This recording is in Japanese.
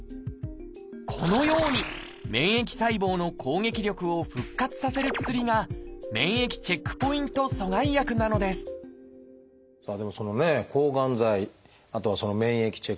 このように免疫細胞の攻撃力を復活させる薬が免疫チェックポイント阻害薬なのですでもそのね抗がん剤あとは免疫チェックポイント阻害薬